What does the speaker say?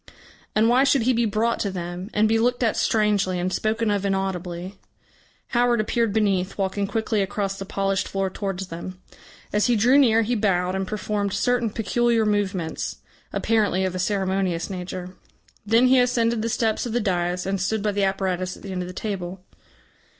And why should he be brought to them, and be looked at strangely and spoken of inaudibly? Howard appeared beneath, walking quickly across the polished floor towards them. As he drew near he bowed and performed certain peculiar movements, apparently of a ceremonious nature. Then he ascended the steps of the dais, and stood by the apparatus at the end of the table.